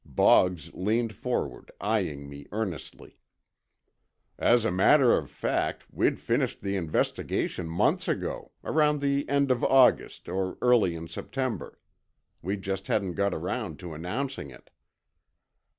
Boggs leaned forward, eyeing me earnestly. "As a matter of fact, we'd finished the investigation months ago—around the end of August, or early in September. We just hadn't got around to announcing it."